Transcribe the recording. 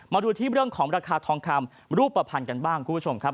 มาดูที่เรื่องของราคาทองคำรูปภัณฑ์กันบ้างคุณผู้ชมครับ